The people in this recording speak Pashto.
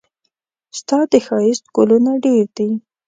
ستا د ښايست ګلونه ډېر دي.